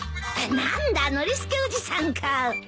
何だノリスケおじさんか。